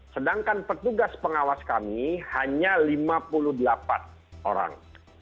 sedangkan petugas pengawas kami hanya lima puluh delapan orang